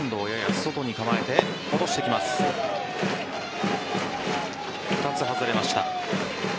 ２つ外れました。